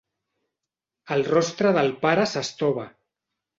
El rostre del pare s'estova.